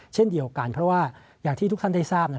เช่นเดียวกันเพราะว่าอย่างที่ทุกท่านได้ทราบ